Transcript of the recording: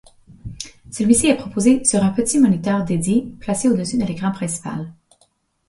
Celui-ci est proposé sur un petit moniteur dédié, placé au-dessus de l'écran principal.